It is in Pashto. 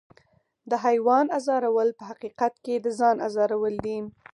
د حیوان ازارول په حقیقت کې د ځان ازارول دي.